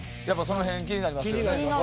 やっぱその辺気になりますよね。